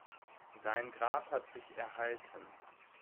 Sein Grab hat sich erhalten.